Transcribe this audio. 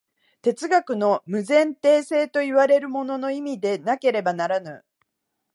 哲学の無前提性といわれるものの意味でなければならぬ。